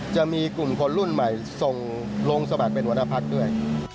จะมีกลุ่มคนรุ่นใหม่ส่งลงสมัครเป็นหัวหน้าพักด้วย